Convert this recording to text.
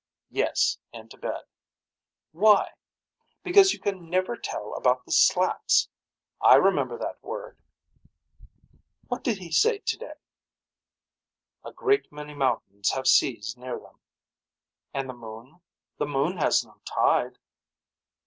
Yes into bed. Why. Because you can never tell about the slats. I remember that word. What did he say today. A great many mountains have seas near them. And the moon. The moon has no tide.